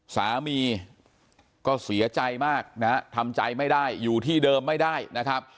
สามีก็เสียใจมากนะฮะทำใจไม่ได้อยู่ที่เดิมไม่ได้นะครับ